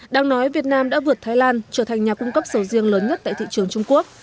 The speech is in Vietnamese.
đang nói việt nam đã vượt thái lan trở thành nhà cung cấp sầu riêng lớn nhất tại thị trường trung quốc